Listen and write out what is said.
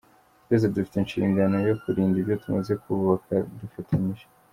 Twese dufite inshingano yo kurinda ibyo tumaze kubaka dufatanyije.”